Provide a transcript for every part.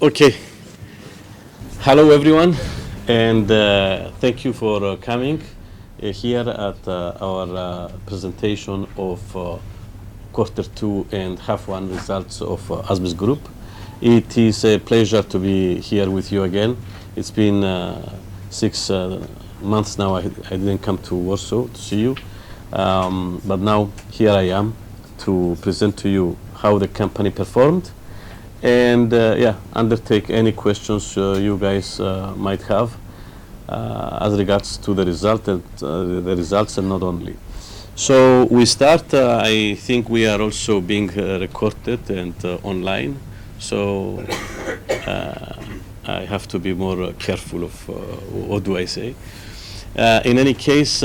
Okay. Hello everyone, and thank you for coming here at our presentation of quarter two and half one results of ASBIS Group. It is a pleasure to be here with you again. It's been six months now I hadn't come to Warsaw to see you. But now here I am to present to you how the company performed and yeah, undertake any questions you guys might have as regards to the result and the results and not only. We start, I think we are also being recorded and online, I have to be more careful of what do I say. In any case,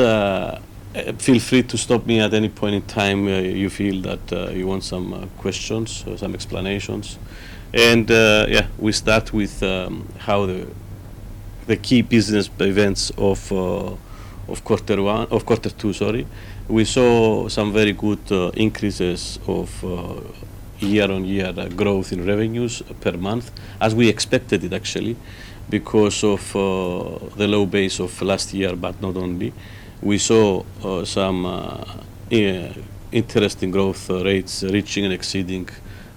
feel free to stop me at any point in time you feel that you want some questions or some explanations. We start with how the key business events of quarter two, sorry. We saw some very good increases of year-on-year growth in revenues per month, as we expected it actually, because of the low base of last year, but not only. We saw some interesting growth rates reaching and exceeding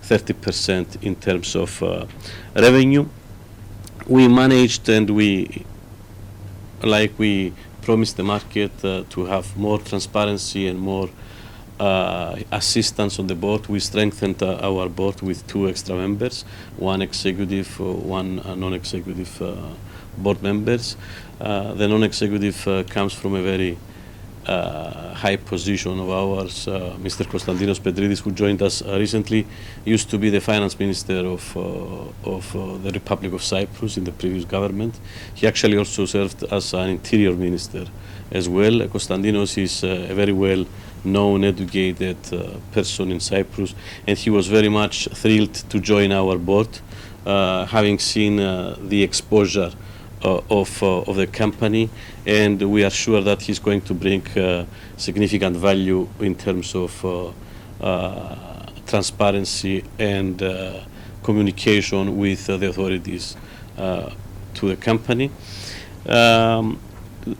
30% in terms of revenue. We managed like we promised the market to have more transparency and more assistance on the board. We strengthened our board with two extra members, one executive, one non-executive board members. The non-executive comes from a very high position of ours, Mr. Constantinos Petrides, who joined us recently, used to be the Finance Minister of the Republic of Cyprus in the previous government. He actually also served as Interior Minister as well. Constantinos is a very well-known educated person in Cyprus, and he was very much thrilled to join our board, having seen the exposure of the company, and we are sure that he's going to bring significant value in terms of transparency and communication with the authorities to the company.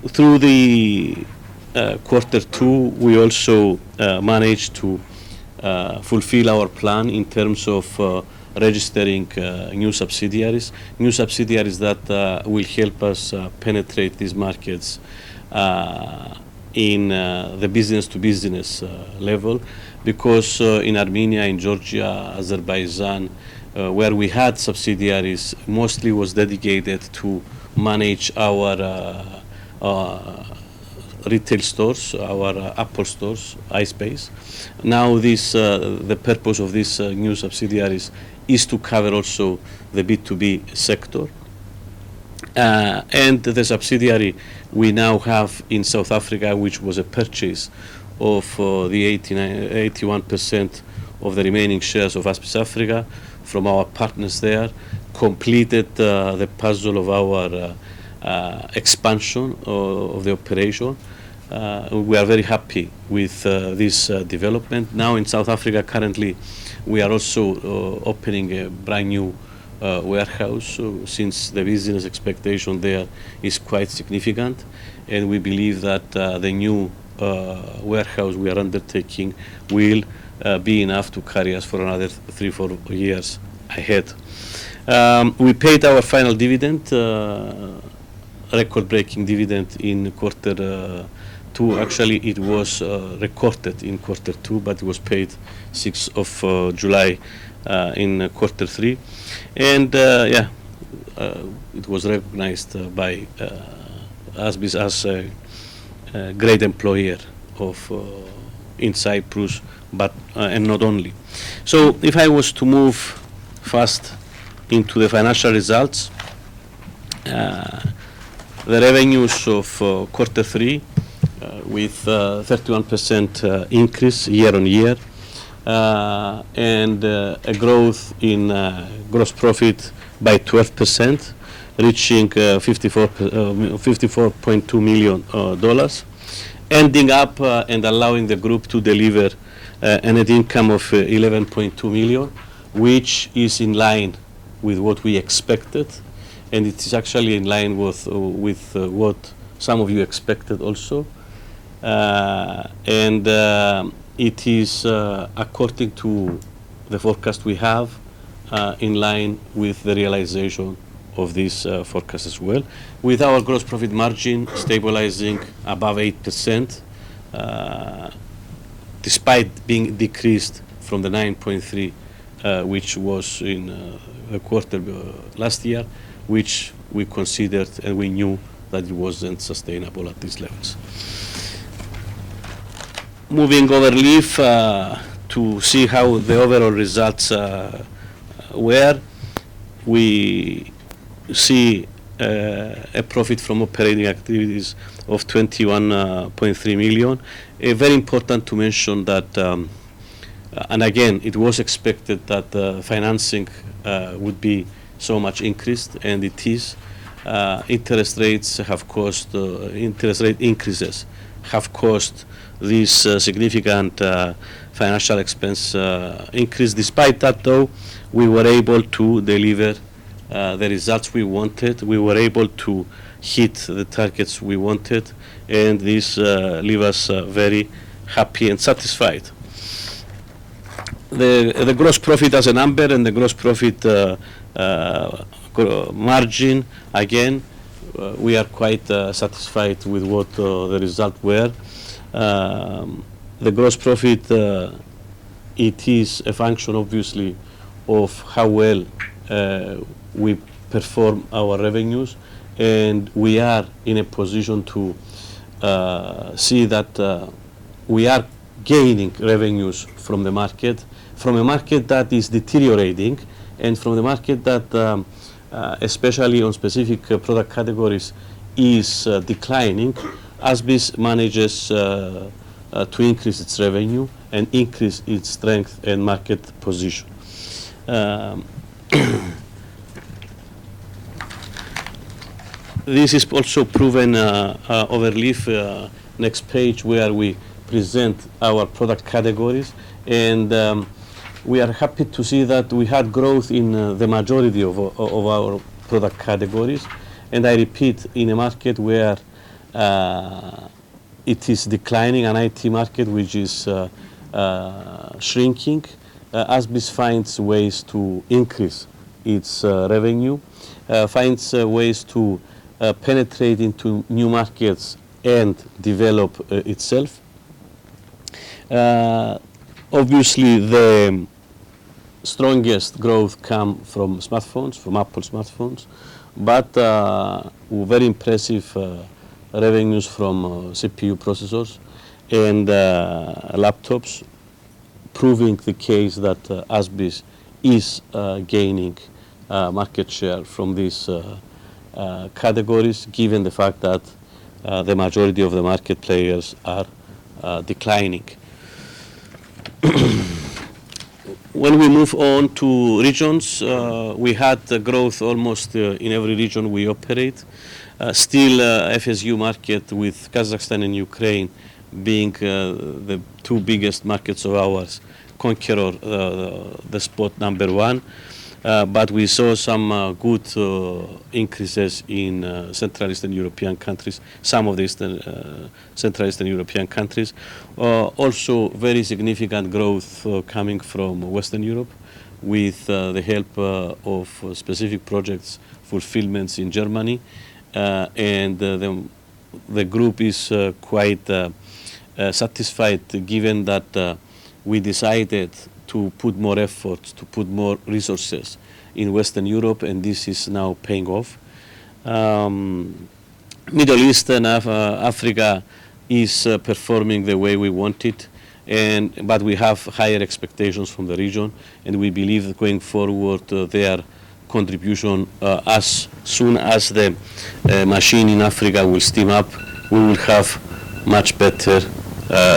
Through the quarter two, we also managed to fulfill our plan in terms of registering new subsidiaries. New subsidiaries that will help us penetrate these markets in the business to business level. Because in Armenia, in Georgia, Azerbaijan, where we had subsidiaries mostly was dedicated to manage our retail stores, our Apple stores, iSpace. Now this the purpose of this new subsidiaries is to cover also the B2B sector. The subsidiary we now have in South Africa, which was a purchase of the 81% of the remaining shares of ASBIS Africa from our partners there, completed the puzzle of our expansion of the operation. We are very happy with this development. Now in South Africa currently, we are also opening a brand-new warehouse since the business expectation there is quite significant and we believe that the new warehouse we are undertaking will be enough to carry us for another three, four years ahead. We paid our final dividend, a record-breaking dividend in quarter two. Actually, it was recorded in quarter two, but it was paid sixth of July in quarter three. It was recognized by ASBIS as a great employer in Cyprus, but not only. If I was to move fast into the financial results, the revenues of quarter three with a 31% increase year-on-year, and a growth in gross profit by 12% reaching $54.2 million, ending up and allowing the group to deliver a net income of $11.2 million, which is in line with what we expected, and it is actually in line with what some of you expected also. It is, according to the forecast we have, in line with the realization of this forecast as well. With our gross profit margin stabilizing above 8%, despite being decreased from the 9.3%, which was in a quarter last year, which we considered and we knew that it wasn't sustainable at these levels. Moving overleaf, to see how the overall results were. We see a profit from operating activities of $21.3 million. Very important to mention that. Again, it was expected that the financing would be so much increased, and it is. Interest rate increases have caused this significant financial expense increase. Despite that though, we were able to deliver the results we wanted. We were able to hit the targets we wanted, and this leave us very happy and satisfied. The gross profit as a number and the gross profit gross margin, again, we are quite satisfied with what the result were. The gross profit it is a function obviously of how well we perform our revenues. We are in a position to see that we are gaining revenues from the market. From a market that is deteriorating, and from a market that especially on specific product categories, is declining. ASBIS manages to increase its revenue and increase its strength and market position. This is also proven overleaf next page, where we present our product categories. We are happy to see that we had growth in the majority of our product categories. I repeat, in a market where it is declining, an IT market which is shrinking, ASBIS finds ways to increase its revenue, finds ways to penetrate into new markets and develop itself. Obviously, the strongest growth come from smartphones, from Apple smartphones, but very impressive revenues from CPU processors and laptops, proving the case that ASBIS is gaining market share from these categories, given the fact that the majority of the market players are declining. When we move on to regions, we had the growth almost in every region we operate. Still, FSU market with Kazakhstan and Ukraine being the two biggest markets of ours conquers the spot number one. We saw some good increases in Central Eastern European countries. Also very significant growth coming from Western Europe with the help of specific projects fulfillments in Germany. The group is quite satisfied given that we decided to put more efforts, to put more resources in Western Europe, and this is now paying off. Middle East and Africa is performing the way we want it, but we have higher expectations from the region, and we believe going forward, their contribution, as soon as the machine in Africa will steam up, we will have much better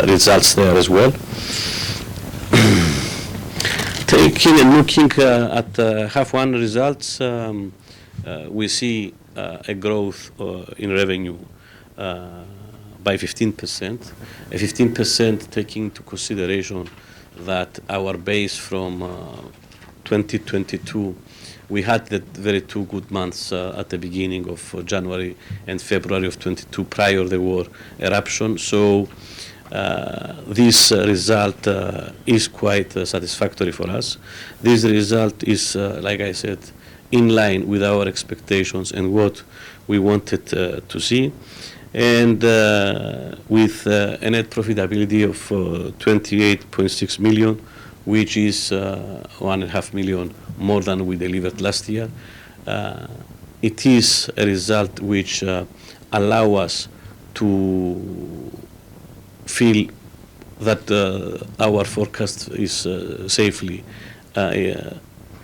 results there as well. Taking a look at the H1 results, we see a growth in revenue by 15%, taking into consideration that our base from 2022, we had the two very good months at the beginning of January and February of 2022, prior to the war eruption. This result is quite satisfactory for us. This result is, like I said, in line with our expectations and what we wanted to see. With a net profitability of $28.6 million, which is $1.5 million more than we delivered last year, it is a result which allow us to feel that our forecast is safely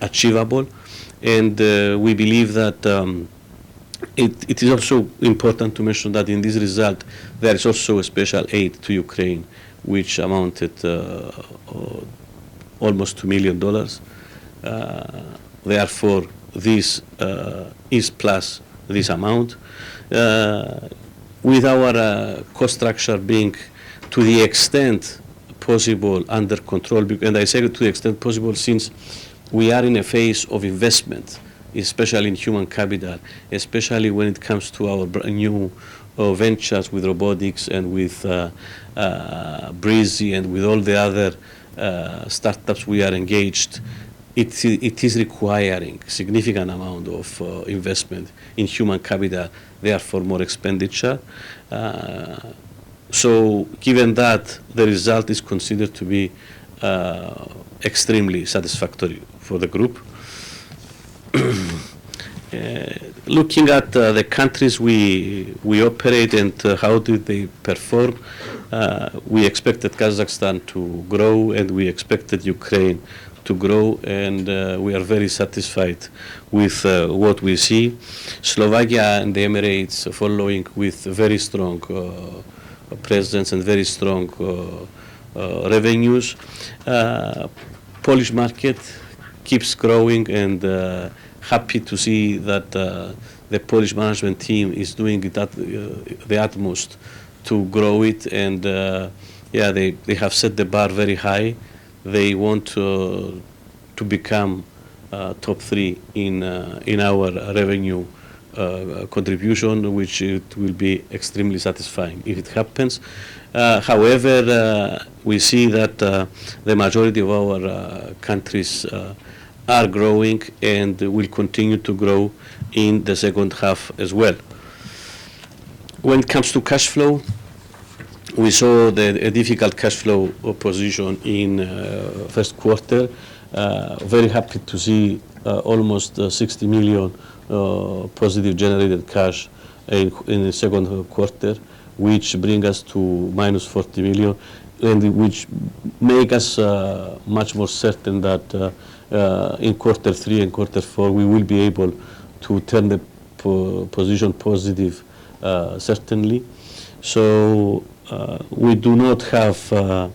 achievable. We believe that. It is also important to mention that in this result, there is also a special aid to Ukraine, which amounted almost a million dollar. Therefore this is plus this amount. With our cost structure being to the extent possible under control, and I say to the extent possible since we are in a phase of investment, especially in human capital, especially when it comes to our new ventures with robotics and with Breezy and with all the other startups we are engaged. It is requiring significant amount of investment in human capital, therefore more expenditure. Given that, the result is considered to be extremely satisfactory for the group. Looking at the countries we operate and how do they perform, we expected Kazakhstan to grow and we expected Ukraine to grow, and we are very satisfied with what we see. Slovakia and the Emirates following with very strong presence and very strong revenues. Polish market keeps growing and happy to see that the Polish management team is doing the utmost to grow it and yeah, they have set the bar very high. They want to become top three in our revenue contribution, which it will be extremely satisfying if it happens. However, we see that the majority of our countries are growing and will continue to grow in the second half as well. When it comes to cash flow, we saw that a difficult cash flow position in first quarter. Very happy to see almost $60 million positive generated cash in the second quarter, which bring us to minus $40 million and which make us much more certain that in quarter three and quarter four, we will be able to turn the position positive, certainly. We do not have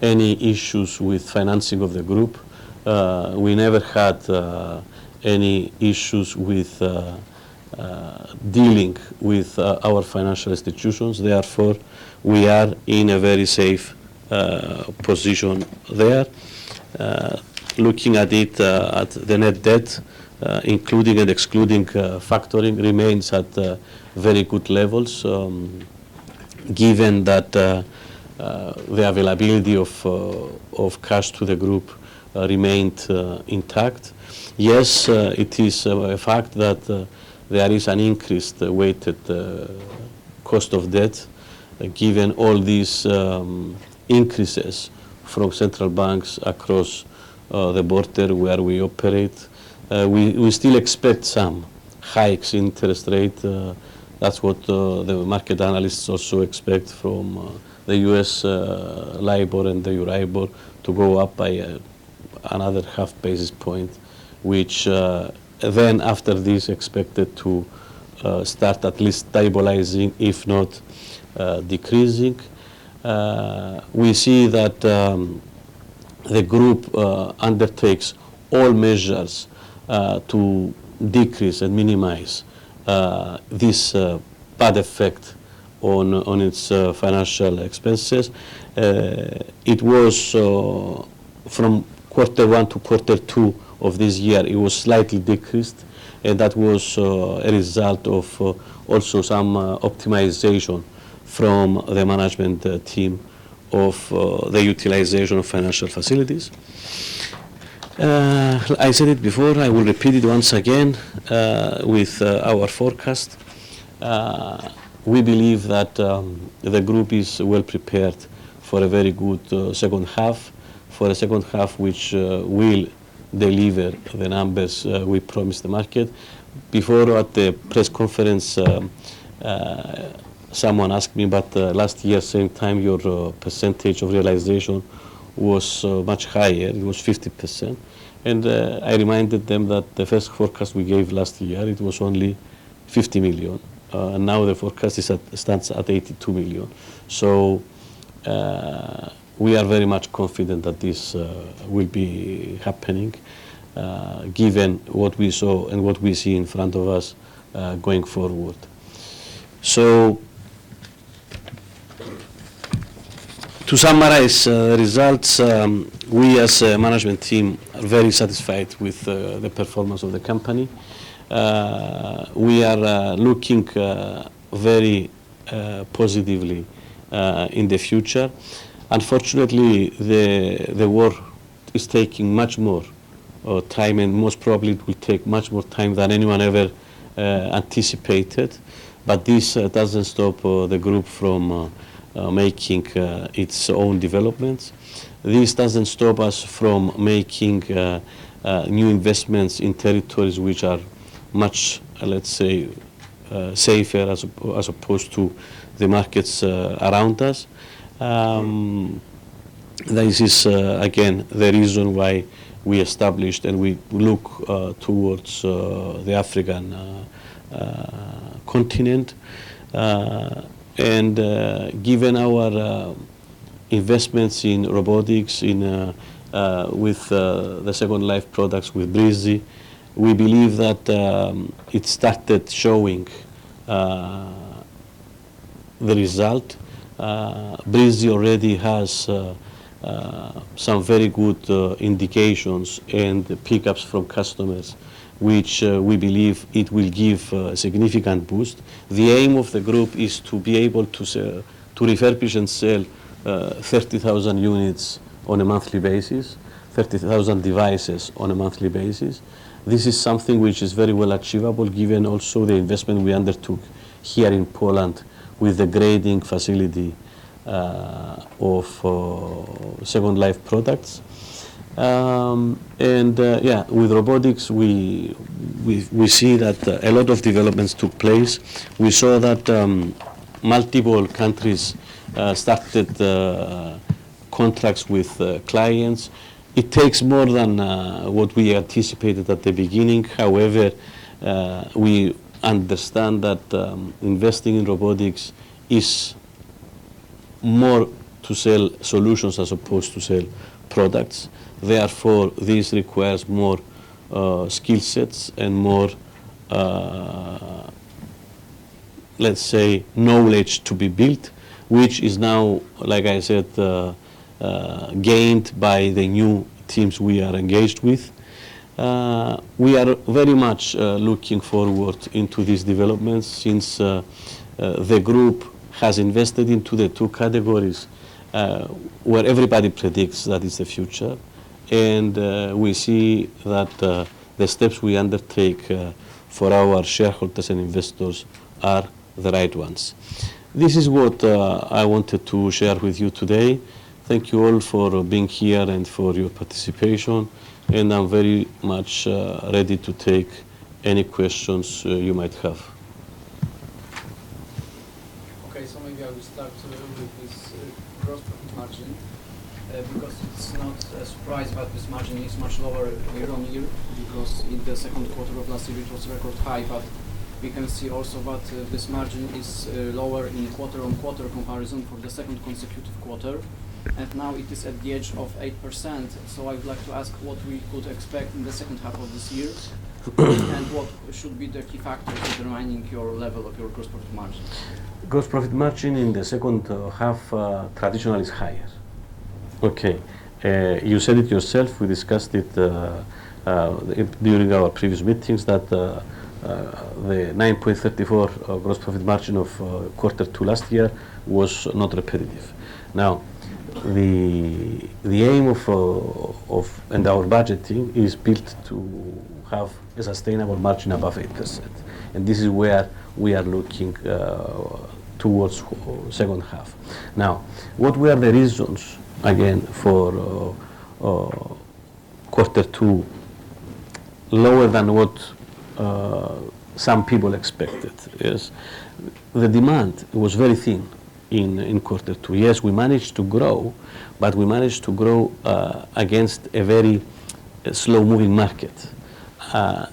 any issues with financing of the group. We never had any issues with dealing with our financial institutions. Therefore, we are in a very safe position there. Looking at it, at the net debt, including and excluding factoring remains at very good levels, given that the availability of cash to the group remained intact. Yes, it is a fact that there is an increase, the weighted cost of debt, given all these increases from central banks across the border where we operate. We still expect some hikes interest rate. That's what the market analysts also expect from the U.S. LIBOR and the Euro LIBOR to go up by another half basis point, which then after this expected to start at least stabilizing, if not decreasing. We see that the group undertakes all measures to decrease and minimize this bad effect on its financial expenses. It was from quarter one to quarter two of this year, it was slightly decreased, and that was a result of also some optimization from the management team of the utilization of financial facilities. I said it before, I will repeat it once again, with our forecast. We believe that the group is well prepared for a very good second half, for a second half which will deliver the numbers we promised the market. Before at the press conference, someone asked me about last year same time your percentage of realization was much higher, it was 50%. I reminded them that the first forecast we gave last year, it was only $50 million. Now the forecast stands at $82 million. We are very much confident that this will be happening, given what we saw and what we see in front of us, going forward. To summarize the results, we as a management team are very satisfied with the performance of the company. We are looking very positively in the future. Unfortunately, the war is taking much more time, and most probably it will take much more time than anyone ever anticipated. This doesn't stop the group from making its own developments. This doesn't stop us from making new investments in territories which are much, let's say, safer as opposed to the markets around us. This is again the reason why we established and we look towards the African continent. Given our investments in robotics with the second life products with Breezy, we believe that it started showing the result. Breezy already has some very good indications and pickups from customers, which we believe it will give a significant boost. The aim of the group is to be able to refurbish and sell 30,000 units on a monthly basis, 30,000 devices on a monthly basis. This is something which is very well achievable given also the investment we undertook here in Poland with the grading facility of second life products. With robotics we see that a lot of developments took place. We saw that multiple countries started contracts with clients. It takes more than what we anticipated at the beginning. However, we understand that investing in robotics is more to sell solutions as opposed to sell products. Therefore, this requires more skill sets and more, let's say, knowledge to be built, which is now, like I said, gained by the new teams we are engaged with. We are very much looking forward into these developments since the group has invested into the two categories where everybody predicts that is the future. We see that the steps we undertake for our shareholders and investors are the right ones. This is what I wanted to share with you today. Thank you all for being here and for your participation, and I'm very much ready to take any questions you might have. Okay. Maybe I will start a little bit with this gross profit margin, because it's not a surprise that this margin is much lower year-on-year because in the second quarter of last year it was record high. But we can see also that this margin is lower in quarter-on-quarter comparison for the second consecutive quarter, and now it is at the edge of 8%. I'd like to ask what we could expect in the second half of this year and what should be the key factor determining your level of your gross profit margin. Gross profit margin in the second half traditionally is higher. Okay. You said it yourself, we discussed it during our previous meetings that the 9.34% gross profit margin of quarter two last year was not representative. Now, the aim of our budget team is built to have a sustainable margin above 8%, and this is where we are looking towards second half. Now, what were the reasons again for quarter two lower than what some people expected is the demand was very thin in quarter two. Yes, we managed to grow, but against a very slow-moving market.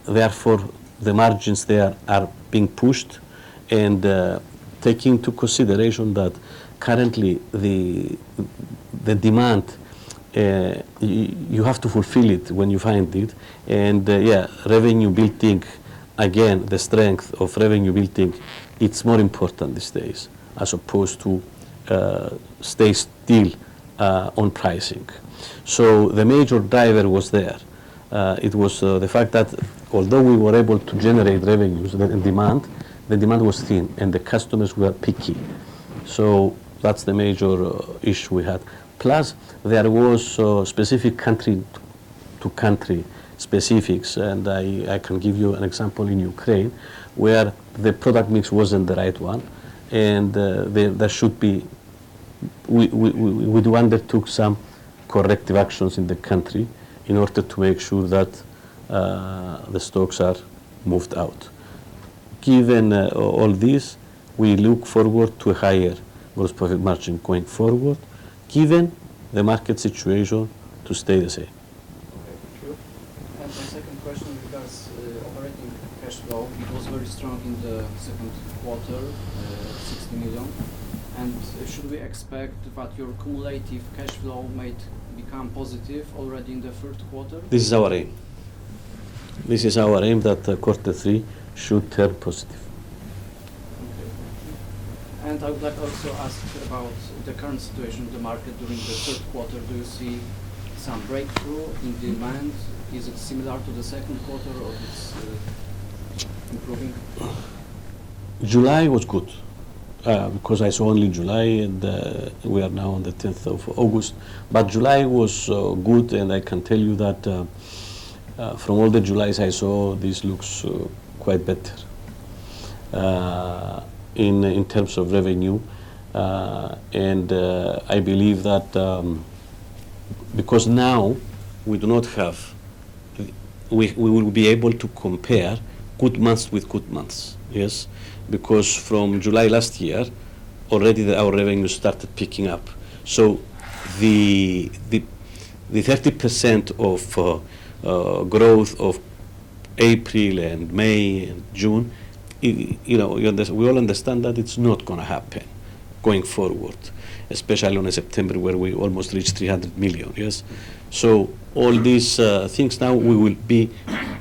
Therefore, the margins there are being pushed and, taking into consideration that currently the demand, you have to fulfill it when you find it. Yeah, revenue building, again, the strength of revenue building, it's more important these days as opposed to, stay still, on pricing. The major driver was there. It was the fact that although we were able to generate revenues and demand, the demand was thin and the customers were picky. That's the major issue we had. Plus, there was specific country-to-country specifics, and I can give you an example in Ukraine, where the product mix wasn't the right one and, there should be-- We undertook some corrective actions in the country in order to make sure that the stocks are moved out. Given all this, we look forward to a higher gross profit margin going forward, given the market situation to stay the same. Okay. Thank you. My second question, because operating cash flow it was very strong in the second quarter, $60 million. Should we expect that your cumulative cash flow might become positive already in the third quarter? This is our aim that quarter three should turn positive. Okay. Thank you. I would like also ask about the current situation of the market during the third quarter. Do you see some breakthrough in demand? Is it similar to the second quarter or it's improving? July was good, because I saw only July and, we are now on the 10th of August. July was good and I can tell you that, from all the Julys I saw, this looks quite better in terms of revenue. I believe that, because now we do not have. We will be able to compare good months with good months. Yes. Because from July last year, already our revenues started picking up. The 30% growth of April and May and June, you know, we all understand that it's not gonna happen going forward, especially on September, where we almost reached $300 million. Yes. All these things now will be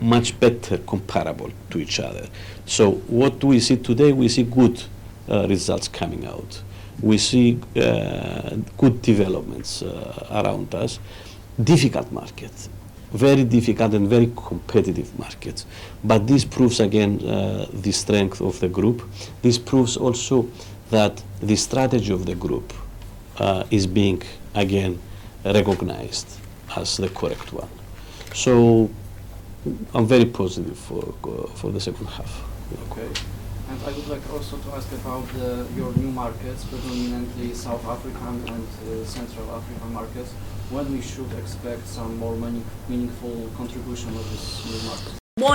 much better comparable to each other. What we see today, we see good results coming out. We see good developments around us. Difficult markets. Very difficult and very competitive markets. This proves again the strength of the group. This proves also that the strategy of the group is being again recognized as the correct one. I'm very positive for the second half. Okay. I would like also to ask about your new markets, predominantly South African and Central African markets. When should we expect some more meaningful contribution of these new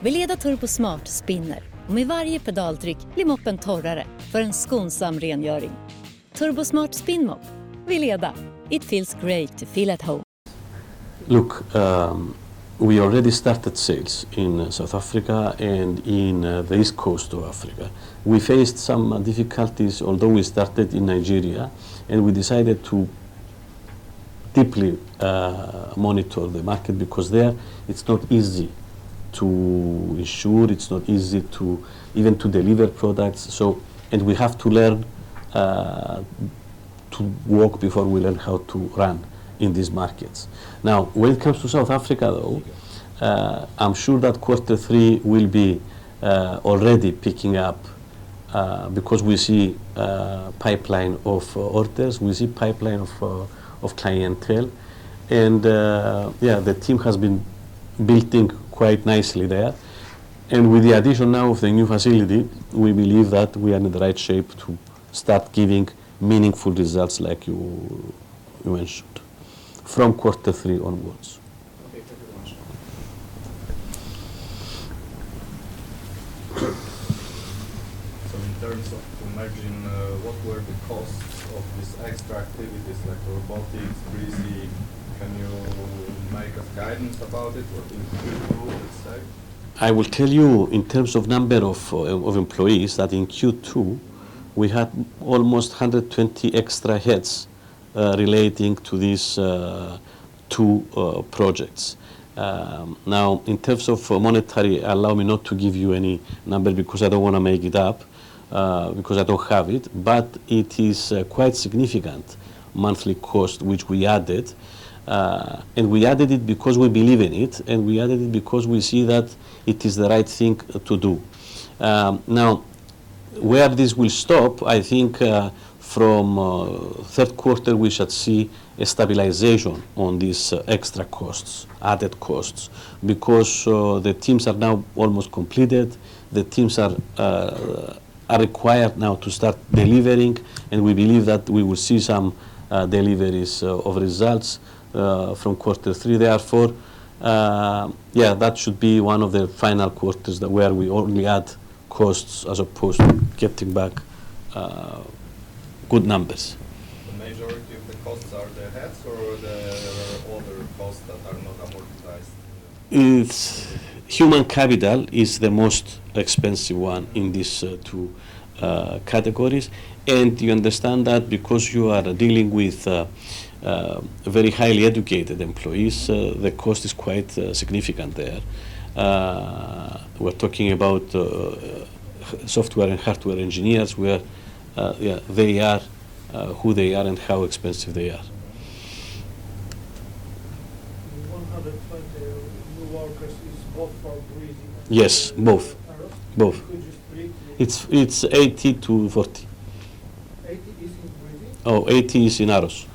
markets? Look, we already started sales in South Africa and in the East Coast of Africa. We faced some difficulties, although we started in Nigeria, and we decided to deeply monitor the market because there it's not easy to ensure, it's not easy to even to deliver products. We have to learn to walk before we learn how to run in these markets. Now, when it comes to South Africa, though, I'm sure that quarter three will be already picking up because we see a pipeline of orders. We see pipeline of clientele and yeah, the team has been building quite nicely there. With the addition now of the new facility, we believe that we are in the right shape to start giving meaningful results like you mentioned, from quarter three onwards. Thank you very much. In terms of the margin, what were the costs of these extra activities like robotics, Breezy? Can you make a guidance about it? What is the group insight? I will tell you in terms of number of employees that in Q2, we had almost 120 extra heads relating to these two projects. Now, in terms of monetary, allow me not to give you any number because I don't wanna make it up, because I don't have it, but it is quite significant monthly cost which we added. We added it because we believe in it, and we added it because we see that it is the right thing to do. Now, where this will stop, I think, from third quarter, we should see a stabilization on these extra costs, added costs. Because the teams are now almost completed. The teams are required now to start delivering, and we believe that we will see some deliveries of results from quarter three therefore. That should be one of the final quarters where we only add costs as opposed to getting back good numbers. The majority of the costs are the overheads or the other costs that are not amortized? Human capital is the most expensive one in these two categories. You understand that because you are dealing with very highly educated employees, the cost is quite significant there. We're talking about software and hardware engineers where yeah they are who they are and how expensive they are. The 120 new workers is both for Breezy and Yes, both. -Aros? Both. Could you just briefly. It's 80 to 40. ASBIS in Greece? Oh, 80 is in AROS.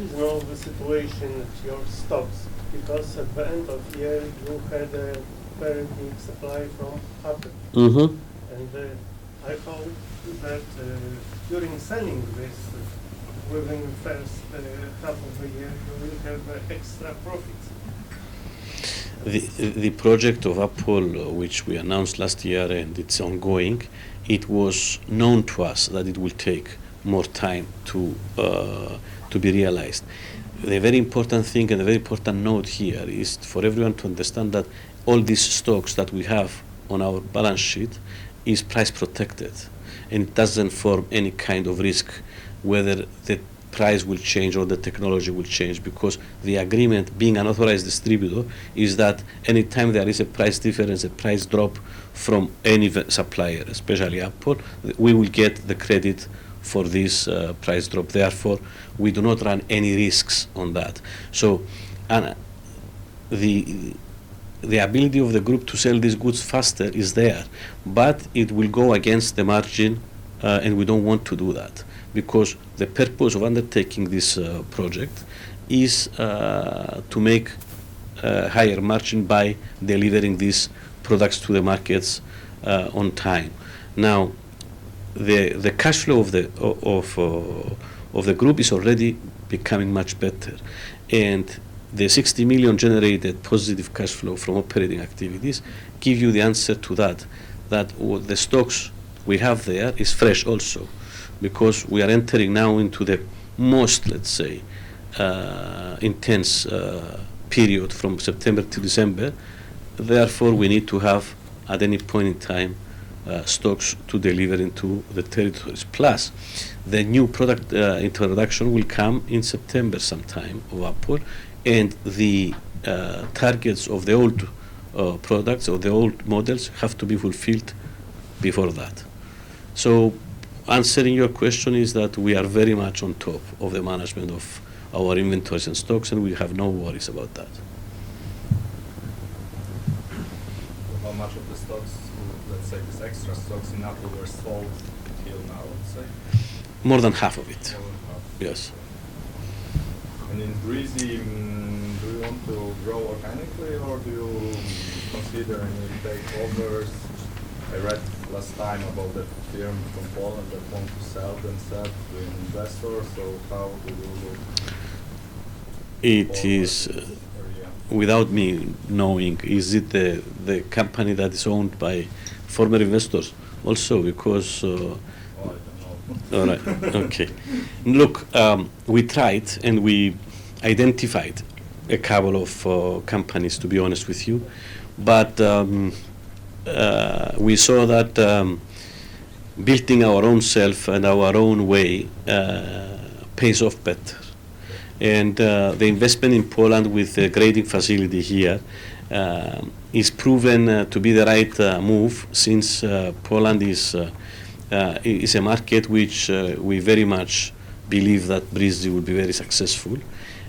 What is now the situation with your stocks? Because at the end of the year, you had a very big supply from Apple. Mm-hmm. I thought that during selling this within the first half of the year, you will have extra profits. The project of Apple, which we announced last year and it's ongoing, it was known to us that it will take more time to be realized. The very important thing and a very important note here is for everyone to understand that all these stocks that we have on our balance sheet is price protected, and it doesn't form any kind of risk whether the price will change or the technology will change. Because the agreement, being an authorized distributor, is that any time there is a price difference, a price drop from any supplier, especially Apple, we will get the credit for this price drop. Therefore, we do not run any risks on that. The ability of the group to sell these goods faster is there, but it will go against the margin and we don't want to do that. Because the purpose of undertaking this project is to make higher margin by delivering these products to the markets on time. Now, the cash flow of the group is already becoming much better. The $60 million generated positive cash flow from operating activities give you the answer to that. The stocks we have there is fresh also, because we are entering now into the most, let's say, intense period from September to December. Therefore, we need to have at any point in time stocks to deliver into the territories. Plus, the new product introduction will come in September sometime of Apple, and the targets of the old products or the old models have to be fulfilled before that. Answering your question is that we are very much on top of the management of our inventories and stocks, and we have no worries about that. How much of the stocks, let's say, these extra stocks in Apple were sold till now, say? More than half of it. More than half. Yes. In Breezy, do you want to grow organically or do you consider any takeovers? I read last time about a firm from Poland that want to sell themselves to an investor. How do you look? It is without me knowing. Is it the company that is owned by former investors? Also because, Oh, I don't know. All right. Okay. Look, we tried and we identified a couple of companies, to be honest with you. We saw that building our own self and our own way pays off better. The investment in Poland with the grading facility here is proven to be the right move since Poland is a market which we very much believe that Breezy will be very successful.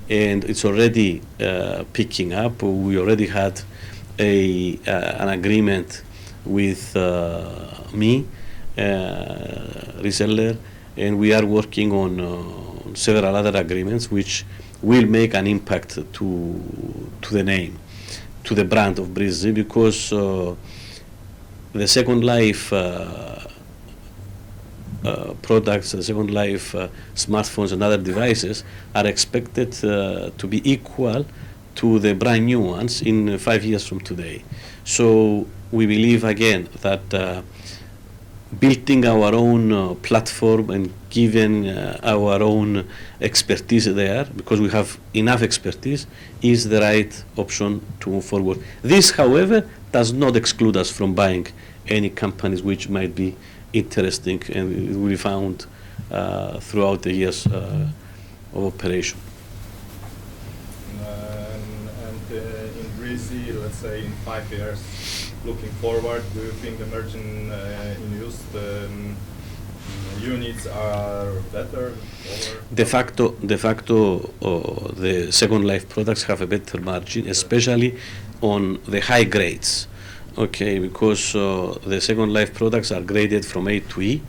It's already picking up. We already had an agreement with an MEA reseller, and we are working on several other agreements which will make an impact to the name, to the brand of Breezy. Because the second life products, smartphones and other devices are expected to be equal to the brand-new ones in five years from today. We believe again that building our own platform and giving our own expertise there, because we have enough expertise, is the right option to move forward. This, however, does not exclude us from buying any companies which might be interesting and we found throughout the years of operation. In Breezy, let's say, in five years, looking forward, do you think the margin in used units are better or- De facto, the second life products have a better margin. Yeah Especially on the high grades, okay? Because the second life products are graded from A to E.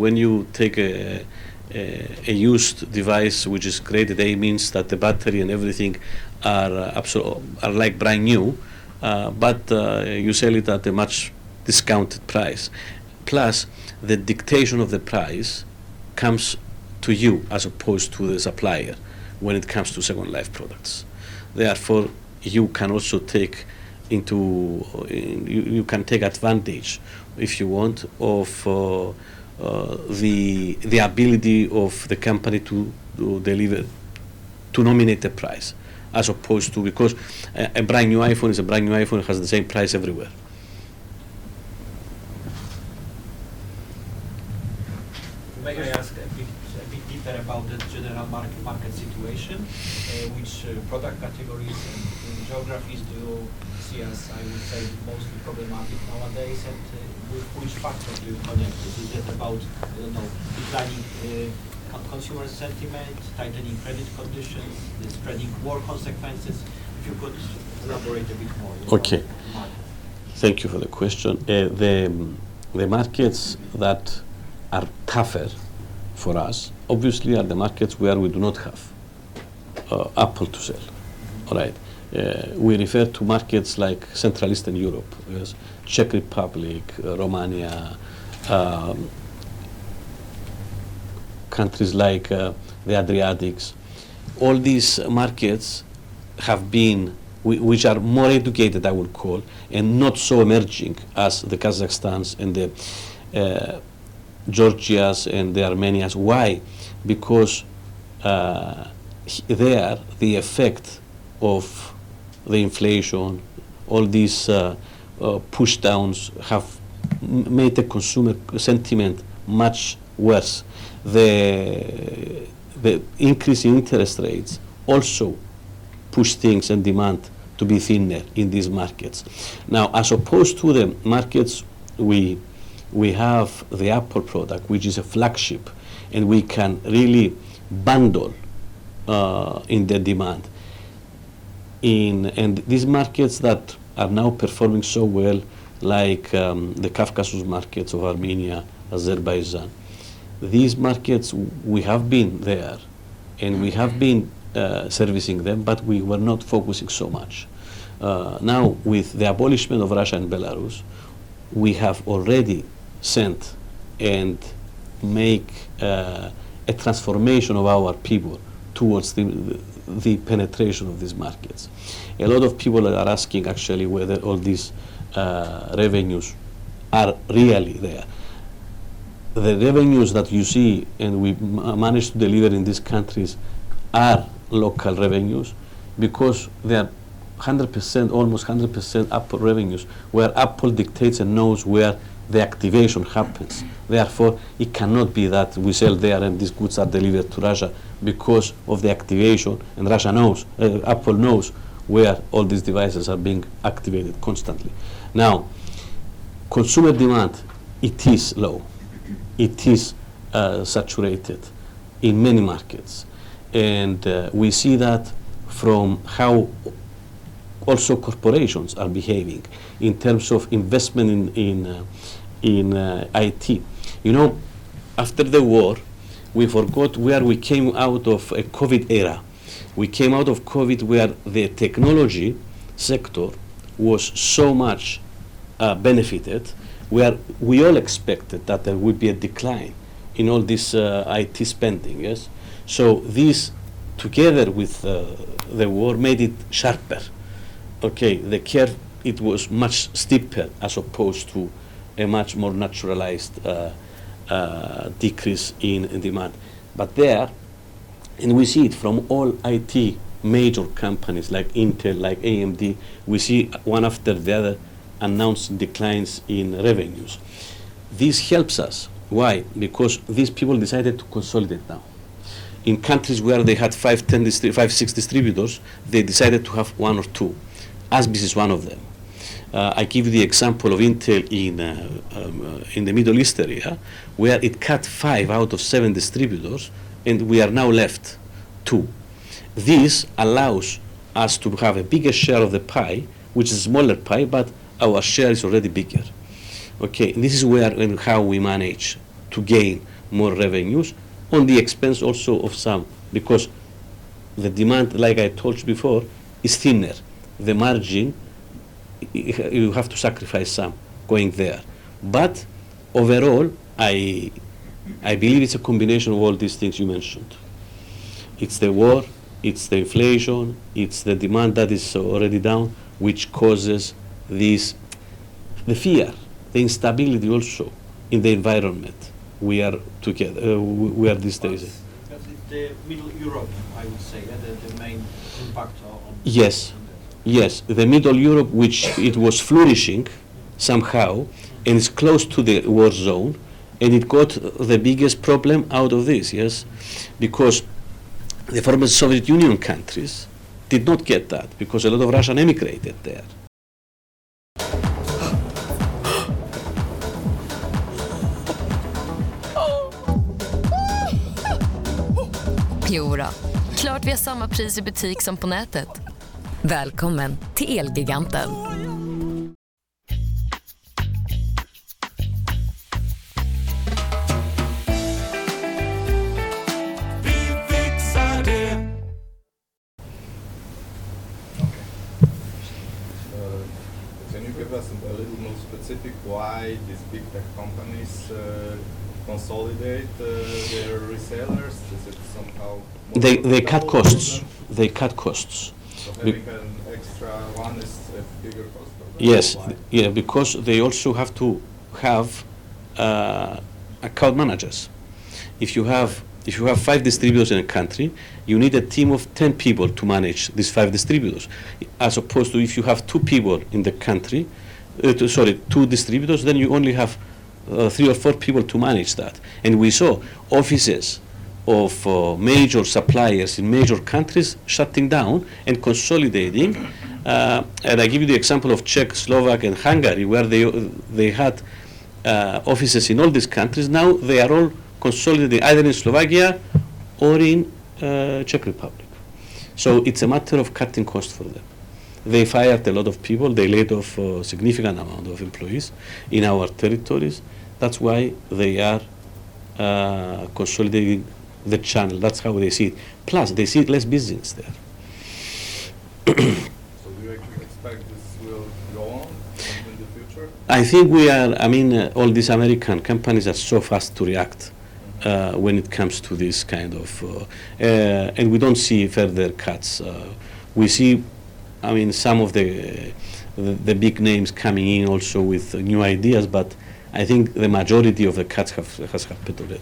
When you take a used device which is graded A, means that the battery and everything are like brand new, but you sell it at a much discounted price. Plus, the dictation of the price comes to you as opposed to the supplier when it comes to second life products. Therefore, you can also take advantage, if you want, of the ability of the company to nominate the price, as opposed to. A brand-new iPhone is a brand-new iPhone. It has the same price everywhere. May I ask a bit deeper about the general market situation? Which product categories and geographies do you see as, I would say, most problematic nowadays, and with which factors do you connect it? Is it about, I don't know, declining consumer sentiment, tightening credit conditions, the spreading war consequences? If you could elaborate a bit more, you know? Okay the market. Thank you for the question. The markets that are tougher for us obviously are the markets where we do not have Apple to sell. All right? We refer to markets like Central Eastern Europe. Yes. Czech Republic, Romania, countries like the Adriatics. All these markets, which are more educated, I would call, and not so emerging as the Kazakhstans and the Georgias and the Armenia. Why? Because there, the effect of the inflation, all these pushdowns have made the consumer sentiment much worse. The increasing interest rates also push things and demand to be thinner in these markets. Now, as opposed to the markets we have the Apple product, which is a flagship, and we can really bundle in the demand. These markets that are now performing so well, like, the Caucasus markets of Armenia, Azerbaijan. These markets, we have been there, and we have been servicing them, but we were not focusing so much. Now with the embargo on Russia and Belarus, we have already sent and made a transformation of our people towards the penetration of these markets. A lot of people are asking actually whether all these revenues are really there. The revenues that you see and we manage to deliver in these countries are local revenues because they are 100%, almost 100% Apple revenues, where Apple dictates and knows where the activation happens. Therefore, it cannot be that we sell there, and these goods are delivered to Russia because of the activation. Russia knows, Apple knows where all these devices are being activated constantly. Now, consumer demand, it is low. It is saturated in many markets. We see that from how also corporations are behaving in terms of investment in IT. You know, after the war, we forgot where we came out of a COVID era. We came out of COVID where the technology sector was so much benefited, where we all expected that there would be a decline in all this IT spending. Yes? This, together with the war, made it sharper. Okay. The curve, it was much steeper as opposed to a much more naturalized decrease in demand. There, and we see it from all IT major companies like Intel, like AMD, we see one after the other announce declines in revenues. This helps us. Why? Because these people decided to consolidate now. In countries where they had five, six distributors, they decided to have one or two. ASBIS is one of them. I give the example of Intel in the Middle East area, where it cut five out of seven distributors, and we are now left two. This allows us to have a bigger share of the pie, which is a smaller pie, but our share is already bigger. Okay, this is where and how we manage to gain more revenues on the expense also of some because the demand, like I told you before, is thinner. The margin, you have to sacrifice some going there. But overall, I believe it's a combination of all these things you mentioned. It's the war, it's the inflation, it's the demand that is already down, which causes this. The fear, the instability also in the environment we are in these days. It's the Middle Europe, I would say, they're the main impact on. Yes. Yes. The Middle Europe, which it was flourishing somehow and is close to the war zone, and it got the biggest problem out of this. Yes? Because the former Soviet Union countries did not get that because a lot of Russians emigrated there. Okay. Can you give us a little more specific why these big tech companies consolidate their resellers? They cut costs. Having an extra one is a bigger cost for them. Yes. Why? Yeah, because they also have to have account managers. If you have five distributors in a country, you need a team of 10 people to manage these five distributors, as opposed to if you have two distributors, then you only have three or four people to manage that. We saw offices of major suppliers in major countries shutting down and consolidating. I give you the example of Czech Republic, Slovakia, and Hungary, where they had offices in all these countries. Now they are all consolidated either in Slovakia or in Czech Republic. It's a matter of cutting costs for them. They fired a lot of people. They laid off a significant amount of employees in our territories. That's why they are consolidating the channel. That's how they see it. Plus, they see less business there. Do you actually expect this will go on in the future? I think, I mean, all these American companies are so fast to react when it comes to this kind of. We don't see further cuts. We see, I mean, some of the big names coming in also with new ideas, but I think the majority of the cuts has happened already.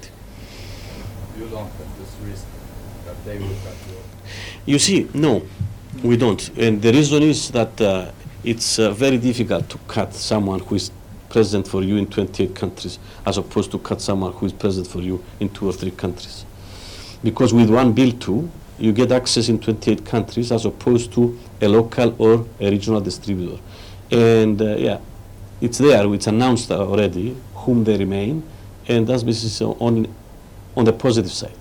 You don't have this risk that they will cut you? You see, no, we don't. The reason is that it's very difficult to cut someone who is present for you in 28 countries as opposed to cut someone who is present for you in two or three countries. Because with one vendor, you get access in 28 countries as opposed to a local or a regional distributor. It's there. It's announced already who they remain with, and that's business on the positive side.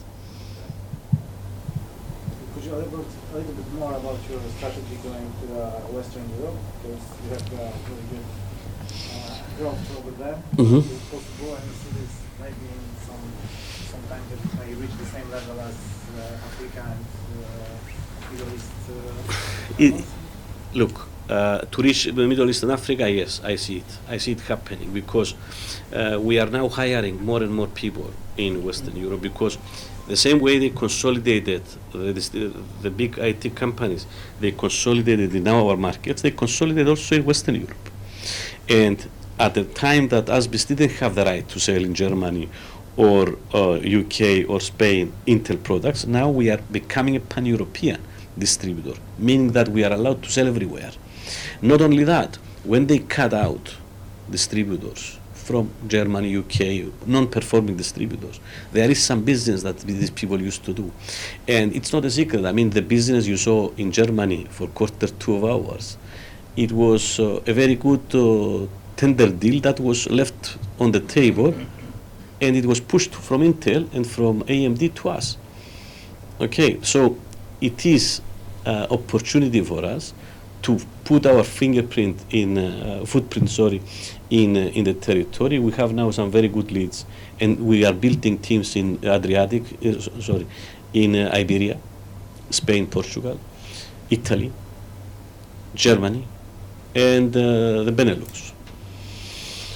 Could you elaborate a little bit more about your strategy going to Western Europe? 'Cause you have very good growth over there. Mm-hmm. Is it possible, and you see this maybe in some time that it may reach the same level as Africa and Middle East, perhaps? Look, to reach the Middle East and Africa, yes, I see it. I see it happening because we are now hiring more and more people in Western Europe. Because the same way they consolidated the big IT companies, they consolidated in our markets, they consolidate also in Western Europe. At the time that ASBIS didn't have the right to sell in Germany or U.K. or Spain Intel products, now we are becoming a pan-European distributor, meaning that we are allowed to sell everywhere. Not only that, when they cut out distributors from Germany, U.K., non-performing distributors, there is some business that these people used to do, and it's not a secret. I mean, the business you saw in Germany for quarter two of ours, it was a very good tender deal that was left on the table. Mm-hmm It was pushed from Intel and from AMD to us. Okay, so it is an opportunity for us to put our footprint in the territory. We have now some very good leads, and we are building teams in Iberia, Spain, Portugal, Italy, Germany, and the Benelux.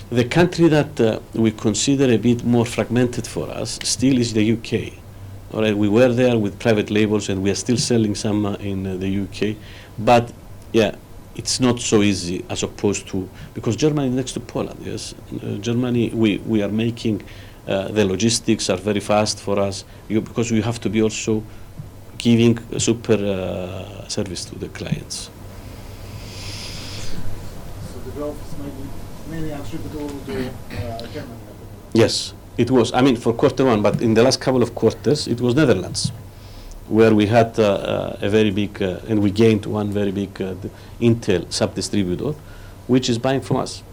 The country that we consider a bit more fragmented for us still is the U.K. We were there with private labels, and we are still selling some in the UK. But yeah, it's not so easy as opposed to because Germany is next to Poland, yes. In Germany, the logistics are very fast for us because we have to be also giving super service to the clients. The growth is mainly attributable to Germany, I believe. Yes. It was. I mean, for quarter one, but in the last couple of quarters it was Netherlands, where we had a very big and we gained one very big Intel sub-distributor which is buying from us.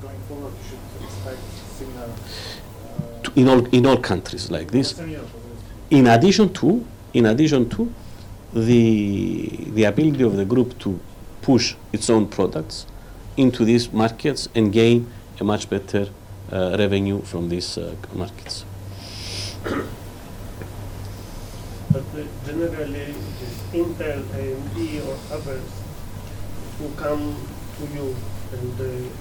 Going forward, we should expect similar. In all countries like this. All similar countries, yeah. In addition to the ability of the group to push its own products into these markets and gain a much better revenue from these markets. Generally it is Intel, AMD or others who come to you and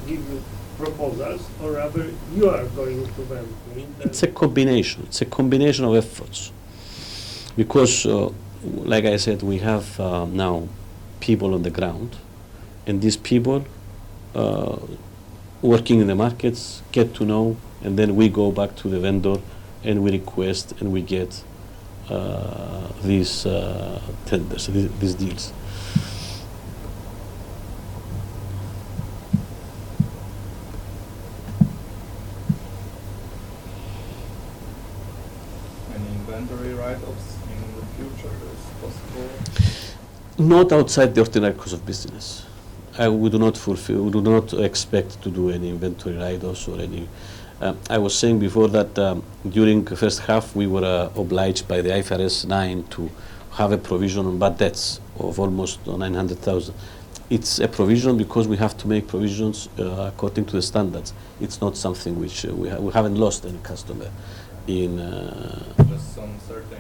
give you proposals or rather you are going to them? I mean. It's a combination of efforts. Like I said, we have now people on the ground, and these people working in the markets get to know, and then we go back to the vendor and we request, and we get these tenders, these deals. Any inventory write-offs in the future is possible? Not outside the ordinary course of business. We do not expect to do any inventory write-offs or any. I was saying before that, during the first half, we were obliged by the IFRS 9 to have a provision on bad debts of almost $900,000. It's a provision because we have to make provisions according to the standards. It's not something which. We haven't lost any customer in. Just some certain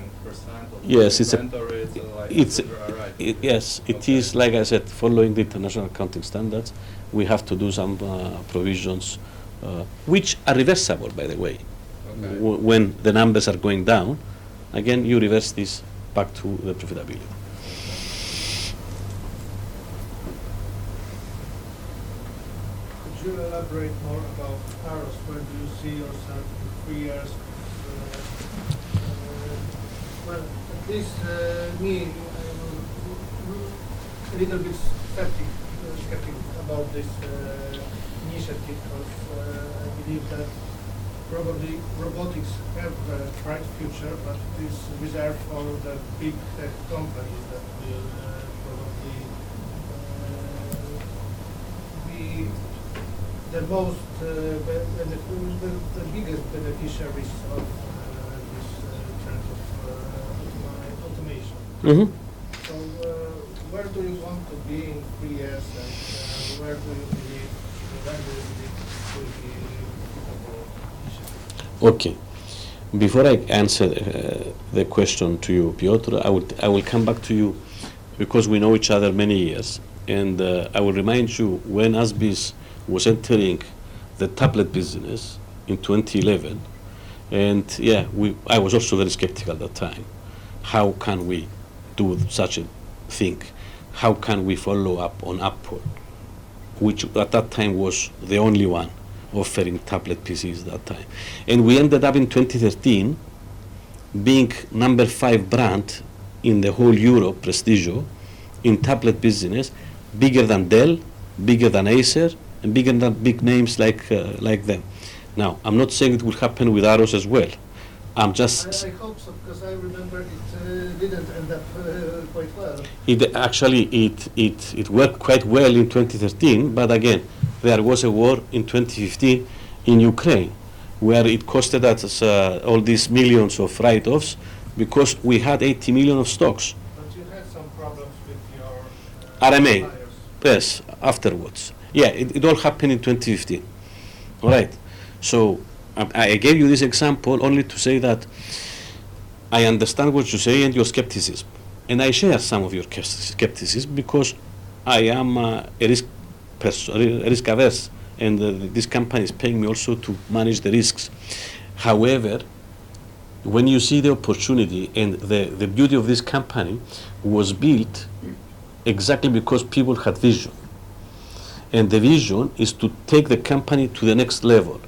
percent of. Yes, it's. Vendor is like. It's- You are right. Yes. Okay. It is, like I said, following the international accounting standards, we have to do some provisions, which are reversible, by the way. Okay. When the numbers are going down, again, you reverse this back to the profitability. Could you elaborate more about AROS? Where do you see yourself in three years? Well, at least me, I'm a little bit skeptical about this initiative. I believe that probably robotics have a bright future, but it is reserved for the big tech companies that will probably be the biggest beneficiaries of this trend of automation. Mm-hmm. Where do you want to be in three years, and where do you believe to be robotics- Okay. Before I answer the question to you, Piotr, I will come back to you because we know each other many years, and I will remind you when ASBIS was entering the tablet business in 2011, and yeah, I was also very skeptical at that time. How can we do such a thing? How can we follow up on Apple, which at that time was the only one offering tablet PCs. We ended up in 2013 being number five brand in the whole Europe, Prestigio, in tablet business, bigger than Dell, bigger than Acer, and bigger than big names like them. Now, I'm not saying it will happen with AROS as well. I'm just I hope so, 'cause I remember it didn't end up quite well. Actually, it worked quite well in 2013, but again, there was a war in 2015 in Ukraine where it costed us all these millions of write-offs because we had $80 million of stocks. You had some problems. RMA suppliers. Yes. Afterwards. Yeah. It all happened in 2015. All right? I gave you this example only to say that I understand what you say and your skepticism, and I share some of your skepticism because I am a risk-averse person, and this company is paying me also to manage the risks. However, when you see the opportunity, the beauty of this company was built exactly because people had vision. The vision is to take the company to the next level.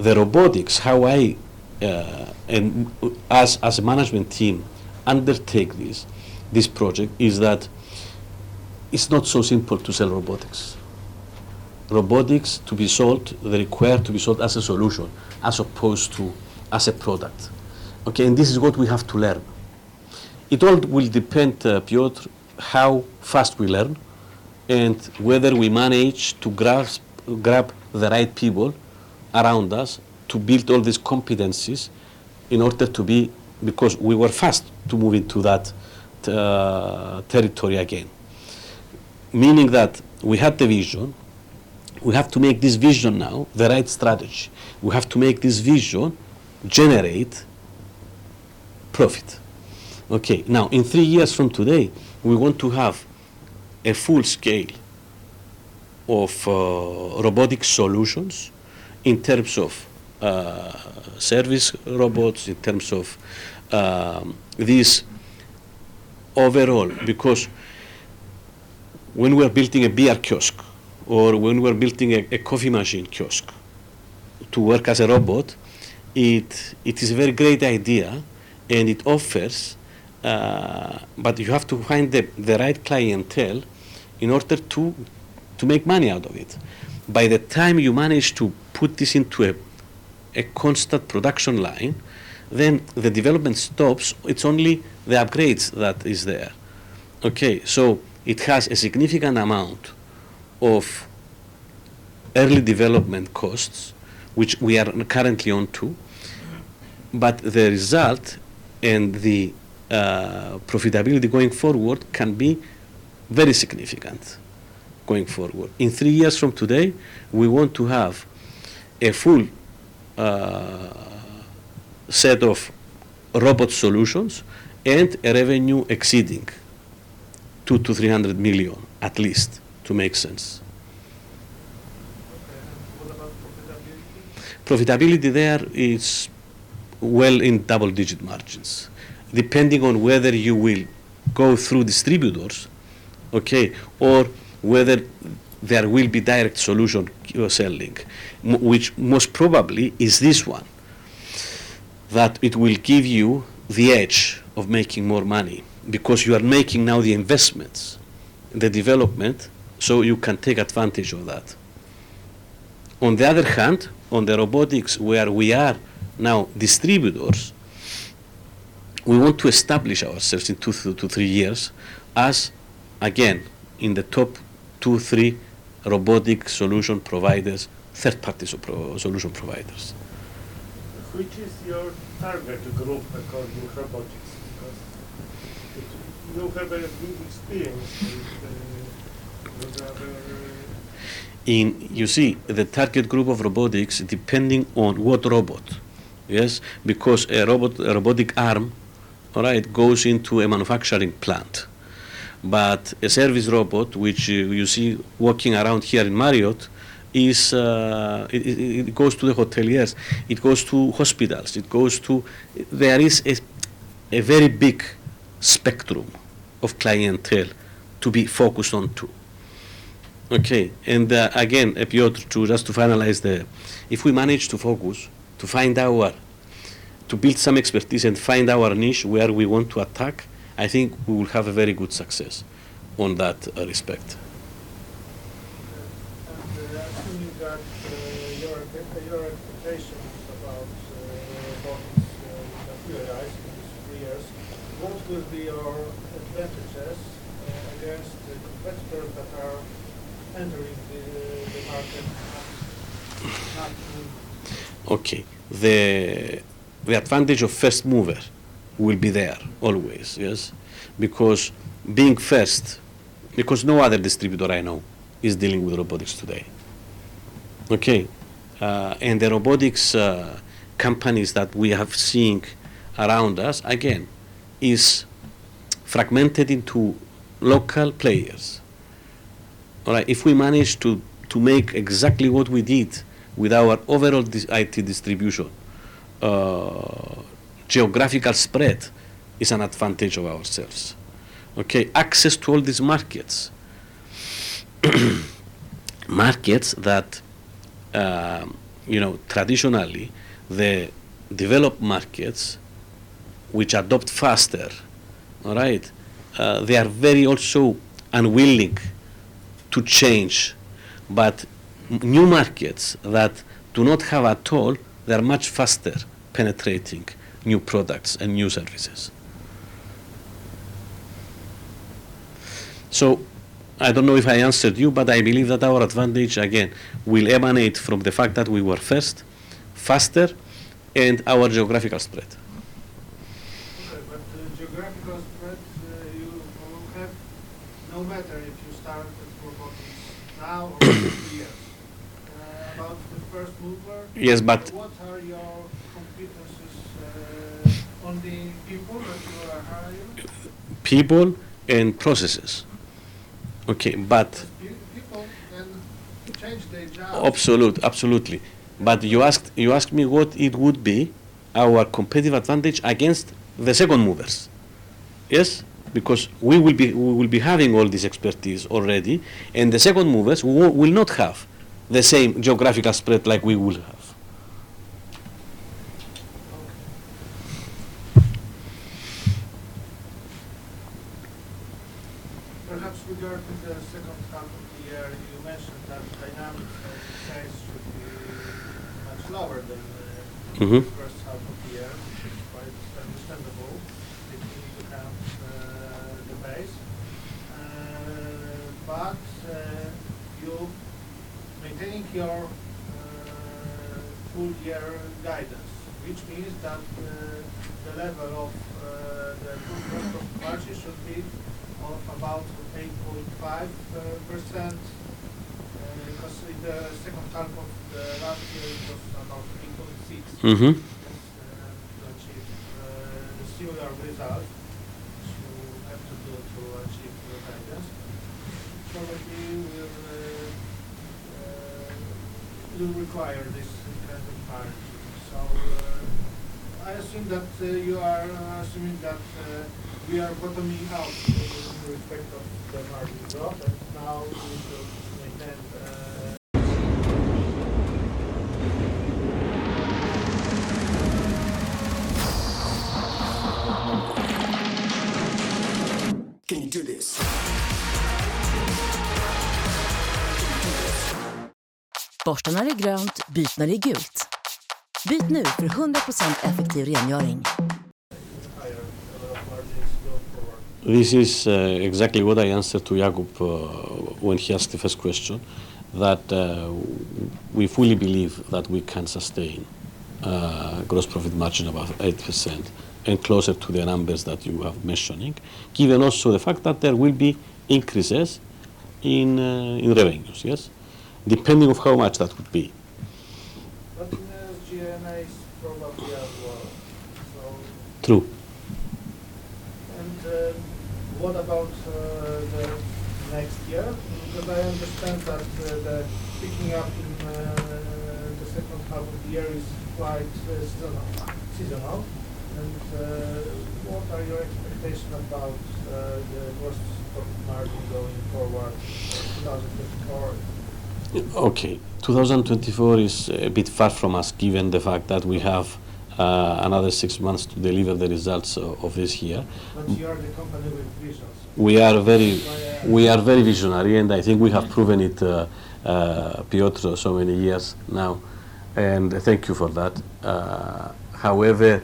Now, the robotics, how we as a management team undertake this project is that it's not so simple to sell robotics. Robotics to be sold, they require to be sold as a solution as opposed to as a product, okay? This is what we have to learn. It all will depend, Piotr, how fast we learn and whether we manage to grab the right people around us to build all these competencies in order to be. Because we were fast to move into that territory again. Meaning that we had the vision. We have to make this vision now the right strategy. We have to make this vision generate profit. Okay. Now, in three years from today, we want to have a full scale of robotic solutions in terms of service robots, in terms of this overall. Because when we are building a beer kiosk or when we're building a coffee machine kiosk to work as a robot, it is very great idea, and it offers, but you have to find the right clientele in order to make money out of it. By the time you manage to put this into a constant production line, then the development stops. It's only the upgrades that is there. Okay. It has a significant amount of early development costs, which we are currently on to. Mm-hmm. The result and the profitability going forward can be very significant going forward. In three years from today, we want to have a full set of robot solutions and a revenue exceeding $200 million -$300 million at least to make sense. Okay. What about profitability? Profitability there is well in double-digit margins, depending on whether you will go through distributors, okay, or whether there will be direct solution you are selling. Which most probably is this one, that it will give you the edge of making more money because you are making now the investments, the development, so you can take advantage of that. On the other hand, on the robotics where we are now distributors, we want to establish ourselves in two to three years as, again, in the top two, three robotic solution providers, third-party solution providers. Which is your target group according robotics? Because you have a good experience with other- You see, the target group of robotics, depending on what robot, yes? Because a robot, a robotic arm, all right, goes into a manufacturing plant. But a service robot, which you see working around here in Marriott, it goes to the hotel, yes. It goes to hospitals. There is a very big spectrum of clientele to be focused on to. Okay. Again, Piotr, to finalize the... If we manage to focus, to build some expertise and find our niche where we want to attack, I think we will have a very good success on that respect. Okay. Assuming that your expectations about robotics materialize in these three years, what will be your advantages against the competitors that are entering the market at that moment? Okay. The advantage of first mover will be there always, yes? Because no other distributor I know is dealing with robotics today. Okay? The robotics companies that we have seen around us, again, is fragmented into local players. All right? If we manage to make exactly what we did with our overall this IT distribution, geographical spread is an advantage of ourselves. Okay? Access to all these markets. Markets that, you know, traditionally, the developed markets which adopt faster, all right? They are very also unwilling to change. New markets that do not have at all, they are much faster penetrating new products and new services. I don't know if I answered you, but I believe that our advantage, again, will emanate from the fact that we were first, faster, and our geographical spread. Okay. The geographical spread, you will have no matter if you start with robotics now or in two years. About the first mover- Yes. What are your competencies on the people that you are hiring? People and processes. Okay. Excuse me? Absolutely. You asked me what it would be our competitive advantage against the second movers. Yes? Because we will be having all this expertise already, and the second movers will not have the same geographical spread like we will have. Okay. Perhaps regarding the second half of the year, you mentioned that dynamics of CapEx should be much lower than the. Mm-hmm First half of the year, which is quite understandable if you need to have the base. You're maintaining your full year guidance, which means that the level of the gross profit margin should be of about 8.5%, 'cause in the second half of the last year it was about 3.6%. Mm-hmm. To achieve the similar result, you have to do to achieve the guidance. Probably you will require this kind of margin. I assume that you are assuming that we are bottoming out in respect of the margin drop, and now we will maintain. Higher level of margins going forward. This is exactly what I answered to Jakub when he asked the first question, that we fully believe that we can sustain gross profit margin of 8% and closer to the numbers that you are mentioning, given also the fact that there will be increases in revenues. Yes. Depending on how much that would be. In the G&A is probably as well, so. True. What about the next year? Because I understand that the picking up in the second half of the year is quite seasonal. What are your expectation about the gross profit margin going forward in 2024? Okay. 2024 is a bit far from us, given the fact that we have another six months to deliver the results of this year. You are the company with visions. We are very- So I- We are very visionary, and I think we have proven it, Piotr, so many years now, and thank you for that. However,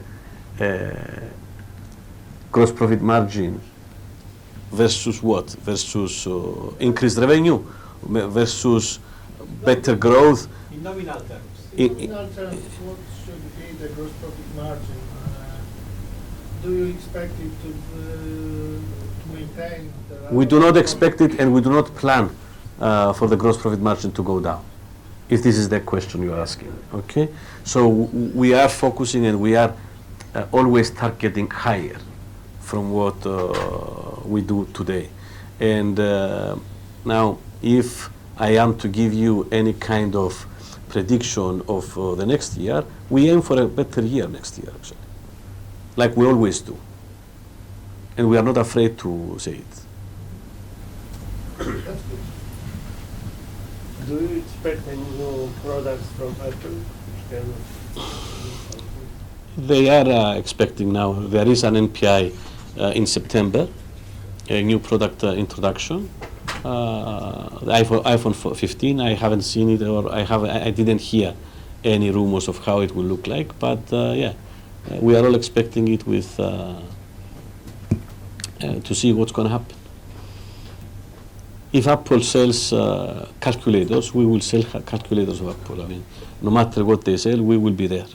gross profit margin versus what? Versus increased revenue? Versus better growth? In nominal terms. In, in- In nominal terms, what should be the gross profit margin? Do you expect it to maintain the level from- We do not expect it, and we do not plan for the gross profit margin to go down, if this is the question you're asking. Okay? We are focusing, and we are always targeting higher from what we do today. Now, if I am to give you any kind of prediction of the next year, we aim for a better year next year, actually, like we always do, and we are not afraid to say it. That's good. Do you expect any new products from Apple which can improve margins? They are expecting now. There is an NPI in September, a new product introduction. The iPhone 15, I haven't seen it. I didn't hear any rumors of how it will look like. Yeah, we are all expecting it to see what's gonna happen. If Apple sells calculators, we will sell calculators of Apple. I mean, no matter what they sell, we will be there.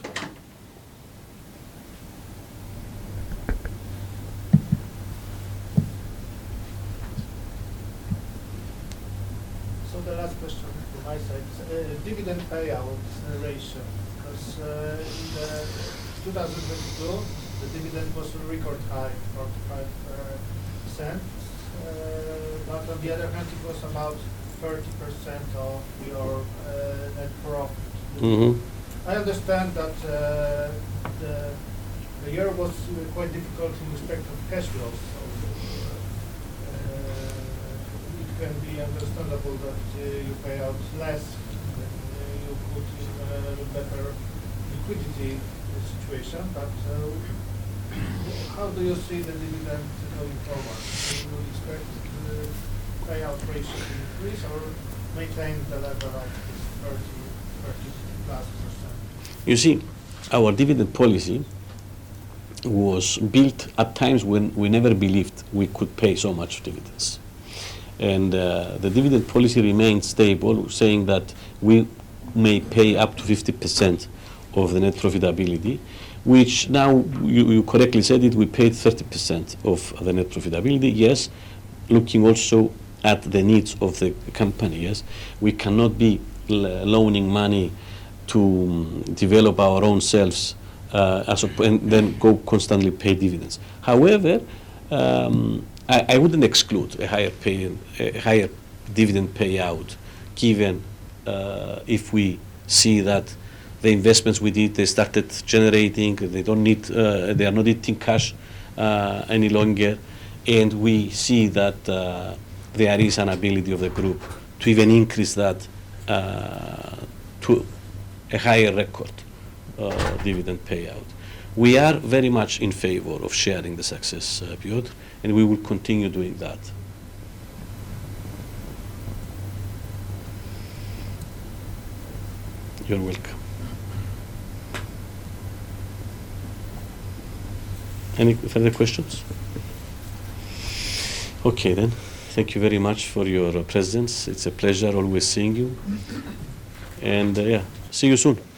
The last question from my side. Dividend payout ratio, 'cause in 2022, the dividend was a record high, $0.45. On the other hand, it was about 30% of your net profit. Mm-hmm. I understand that the year was quite difficult in respect of cash flows. It can be understandable that you pay out less you could in a better liquidity situation. How do you see the dividend going forward? Do you expect the payout ratio to increase or maintain the level of this 30%+? You see, our dividend policy was built at times when we never believed we could pay so much dividends. The dividend policy remains stable, saying that we may pay up to 50% of the net profitability, which now you correctly said it, we paid 30% of the net profitability, yes. Looking also at the needs of the company, yes. We cannot be loaning money to develop our own selves, and then go constantly pay dividends. However, I wouldn't exclude a higher dividend payout, given if we see that the investments we did, they started generating, they don't need, they are not eating cash any longer, and we see that there is an ability of the group to even increase that to a higher record dividend payout. We are very much in favor of sharing the success period, and we will continue doing that. You're welcome. Any further questions? Okay then. Thank you very much for your presence. It's a pleasure always seeing you. Yeah, see you soon.